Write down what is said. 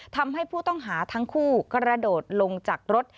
ทำให้ผู้ต้องหาทั้งคู่กระโดดลงจากรถ